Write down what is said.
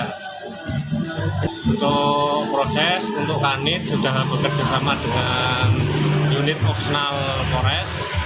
untuk proses untuk kanit sudah bekerjasama dengan unit opsional kores